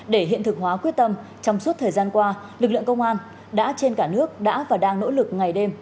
để hiện thực hóa quyết tâm trong suốt thời gian qua lực lượng công an đã trên cả nước đã và đang nỗ lực ngày đêm